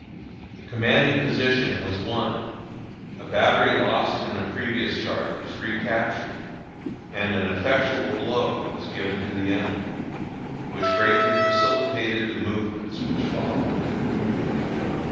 The commanding position was won; a battery lost in a previous charge was recaptured, and an effectual blow was given to the enemy, which greatly facilitated the movements which followed.